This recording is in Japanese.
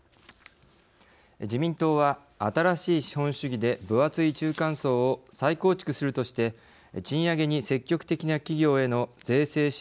自民党は新しい資本主義で分厚い中間層を再構築するとして賃上げに積極的な企業への税制支援など。